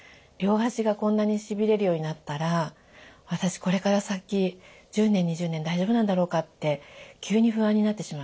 両足がこんなにしびれるようになったら私これから先１０年２０年大丈夫なんだろうかって